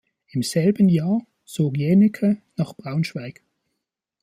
Im selben Jahr zog Jaenicke nach Braunschweig.